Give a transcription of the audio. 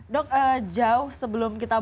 dok jauh sebelum kita bahas ini